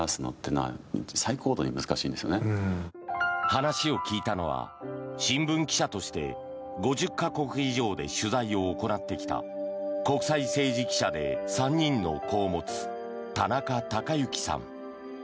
話を聞いたのは新聞記者として５０か国以上で取材を行ってきた国際政治記者で３人の子を持つ田中孝幸さん。